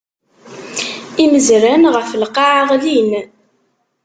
Imezran ɣef lqaɛa ɣlin.